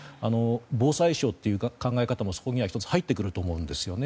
防災省という考え方も１つ入ってくると思うんですね。